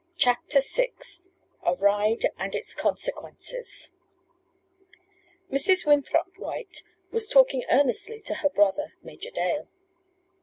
CHAPTER VI A RIDE AND ITS CONSEQUENCES Mrs. Winthrop White was talking earnestly to her brother, Major Dale.